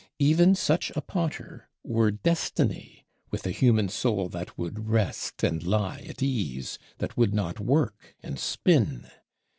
Even such a Potter were Destiny, with a human soul that would rest and lie at ease, that would not work and spin!